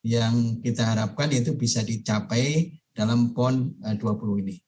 yang kita harapkan itu bisa dicapai dalam pon dua puluh ini